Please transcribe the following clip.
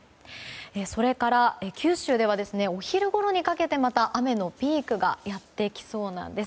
それから、九州ではお昼ごろにかけてまた雨のピークがやってきそうなんです。